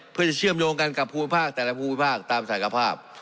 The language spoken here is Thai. เพื่อจะเชื่อมโยงกันกับภูมิภาคแต่ละภูมิภาคตามศักยภาพ